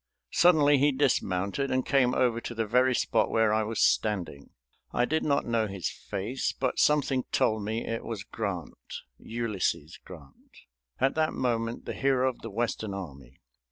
Suddenly he dismounted and came over to the very spot where I was standing. I did not know his face, but something told me it was Grant, Ulysses Grant, at that moment the hero of the Western army.